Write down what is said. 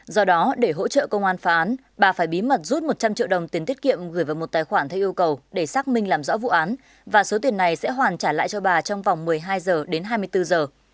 do đó để hỗ trợ công an phán bà phải bí mật rút một trăm linh triệu đồng tiền tiết kiệm gửi vào một tài khoản theo yêu cầu để xác minh làm rõ vụ án và số tiền này sẽ hoàn trả lại cho bà trong vòng một mươi hai giờ đến hai mươi bốn giờ